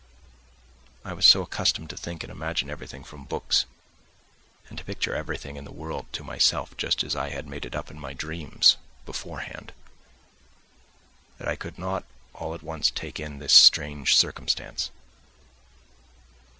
I was so accustomed to think and imagine everything from books, and to picture everything in the world to myself just as I had made it up in my dreams beforehand, that I could not all at once take in this strange circumstance.